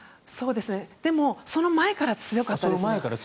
でも、その前から強かったです。